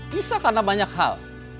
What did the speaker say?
bisa karena banyak hal